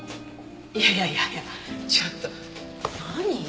いやいやいや亜矢ちょっと何？